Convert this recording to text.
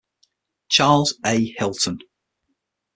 Charles A. Hilton.